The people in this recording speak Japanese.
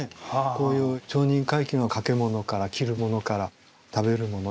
こういう町人階級の掛け物から着るものから食べるもの